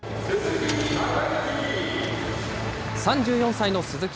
３４歳の鈴木。